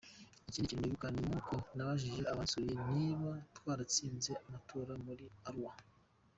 Ikindi kintu nibuka ni uko nabajije abansuye niba twaratsinze amatora muri Arua.